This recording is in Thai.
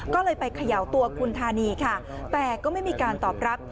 ก็เลยไปเขย่าตัวคุณธานีค่ะแต่ก็ไม่มีการตอบรับ